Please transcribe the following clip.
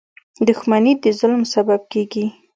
• دښمني د ظلم سبب کېږي.